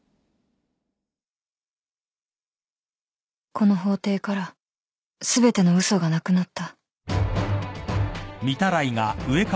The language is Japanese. この法廷から全ての嘘がなくなった